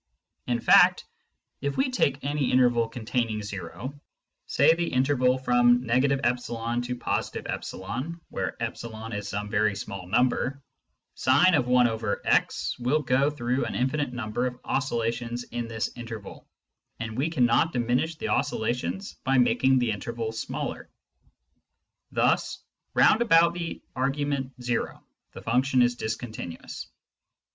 In fact, if we take any interval containing o, say the interval from — e to +e where e is some very small number, sin i/x will go through an infinite number of oscillations in this interval, and we cannot diminish the oscillations by making the interval smaller. Thiis round about the argument o the function is discontinuous.